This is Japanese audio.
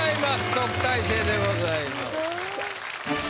特待生でございます。